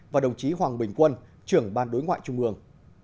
và đồng chí hoàng bình quân trưởng ban đối ngoại trung ương